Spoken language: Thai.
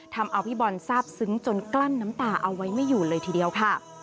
ทำเอาพี่บอลทราบซึ้งจนกลั้นน้ำตาเอาไว้ไม่อยู่เลยทีเดียวค่ะ